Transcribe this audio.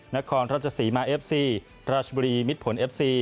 นครราชสีมาเอฟซีราชบุรีมิดผลเอฟซี